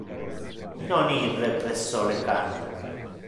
Non ir presso le can.